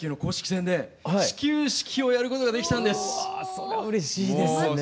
それはうれしいですね。